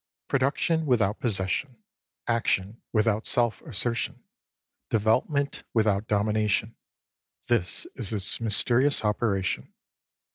Production without possession, action without 22 self assertion, development without domination : this is its mysterious operation.